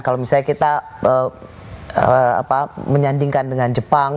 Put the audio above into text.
kalau misalnya kita menyandingkan dengan jepang